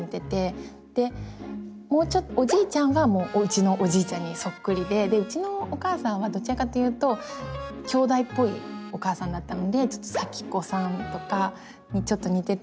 でおじいちゃんはもうおうちのおじいちゃんにそっくりででうちのお母さんはどちらかというときょうだいっぽいお母さんだったのでさきこさんとかにちょっと似てた。